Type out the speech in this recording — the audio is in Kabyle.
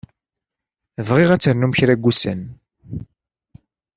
Bɣiɣ ad ternum kra n wussan.